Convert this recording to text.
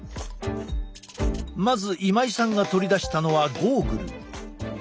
まず今井さんが取り出したのはゴーグル。